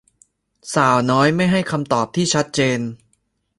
สาวน้อยไม่ให้คำตอบที่ชัดเจน